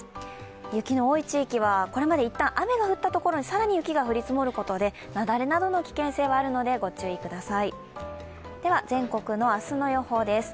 雪の多い地域は、これまで一旦雨が降ったりところで更に雪が降り積もることで雪崩などの危険性があるのでご注意ください。